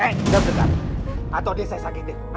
eh ini dia ngapa nggak menemani pak andika